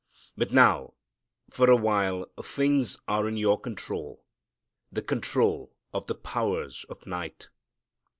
But now for a while things are in your control, the control of the powers of night."